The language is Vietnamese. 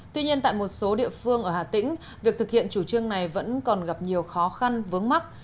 tuy nhiên tại một số địa phương ở hà tĩnh việc thực hiện chủ trương này vẫn còn gặp nhiều khó khăn vướng mắt